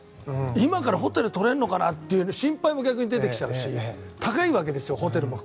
今からホテルとれるのかなという心配も逆に出てきちゃうし高いわけですよ、ホテルも。